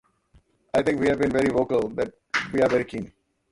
I think we've been very vocal that we're very keen.